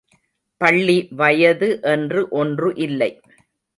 பள்ளி வயது என்று ஒன்று இல்லை.